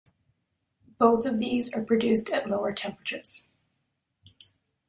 Both of these are produced at lower temperatures.